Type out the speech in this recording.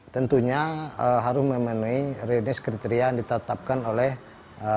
tentunya harus memenuhi reonis kriteria yang ditetapkan oleh program hal